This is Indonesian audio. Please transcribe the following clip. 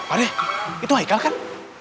adek itu haikal kan